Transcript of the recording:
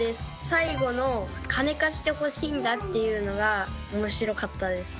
最後の「金貸してほしいんだ」っていうのが面白かったです。